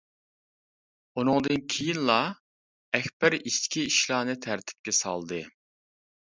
ئۇنىڭدىن كېيىنلا، ئەكبەر ئىچكى ئىشلارنى تەرتىپكە سالدى.